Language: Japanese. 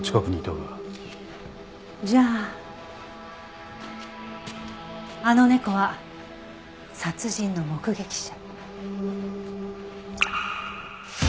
じゃああの猫は殺人の目撃者。